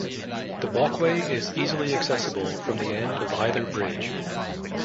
The walkway is easily accessible from the end of either bridge.